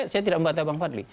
saya tidak membata bang fadli